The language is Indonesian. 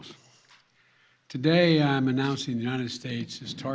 hari ini saya mengumumkan bahwa amerika serikat